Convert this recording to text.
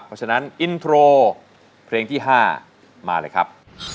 เพราะฉะนั้นอินโทรเพลงที่๕มาเลยครับ